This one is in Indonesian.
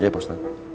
iya pak ustadz